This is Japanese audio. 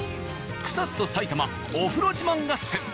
草津と埼玉お風呂自慢合戦！